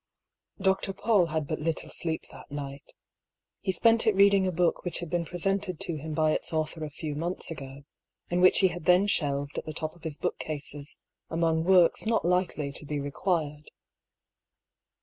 De, Paull had but little sleep that night. He spent it reading a book which had been presented to him by its author a few months ago, and which he had then shelved at the top of his bookcases among works not likely to be required.